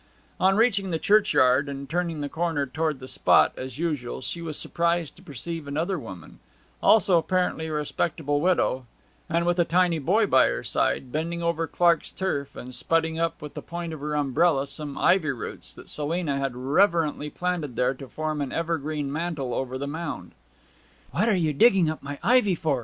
On reaching the churchyard and turning the corner towards the spot as usual, she was surprised to perceive another woman, also apparently a respectable widow, and with a tiny boy by her side, bending over Clark's turf, and spudding up with the point of her umbrella some ivy roots that Selina had reverently planted there to form an evergreen mantle over the mound. 'What are you digging up my ivy for!'